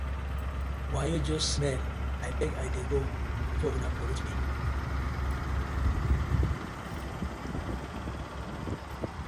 Wayo just smell, I beg I dey go befor una pollute mi.